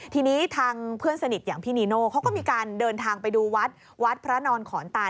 ทีนี้ทางเพื่อนสนิทอย่างพี่นีโน่เขาก็มีการเดินทางไปดูวัดวัดพระนอนขอนตาน